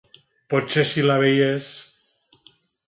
Potser si la veiés...